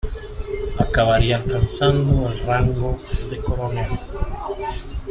Acabaría alcanzando el rango de coronel.